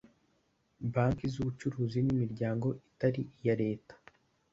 banki z’ubucuruzi n’imiryango itari iya leta